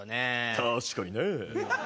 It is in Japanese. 確かにね。